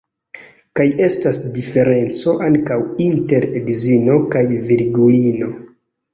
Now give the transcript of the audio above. Kaj estas diferenco ankaŭ inter edzino kaj virgulino.